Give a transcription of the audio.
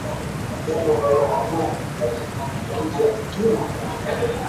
Wanyama waliokomaa wanaweza kuambukizwa lakini